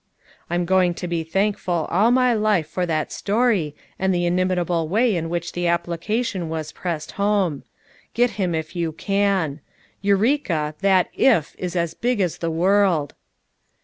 I'm going to be thank ful all my life for that story and the inimitable way in which the application was pressed home. 'Get him if you can!' Eureka, that 'IF' is as big as the world!"